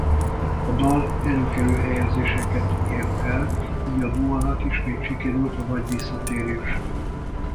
A dal előkelő helyezéseket ért el így a duónak ismét sikerült a nagy visszatérés.